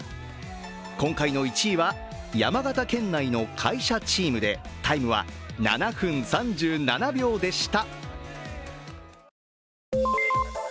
今回の１位は山形県内の会社チームで、タイムは７分３７秒でした。